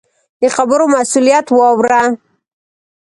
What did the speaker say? د خبرو مسؤلیت واوره.